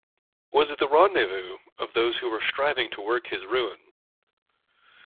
Was it the rendezvous of those who were striving to work his ruin.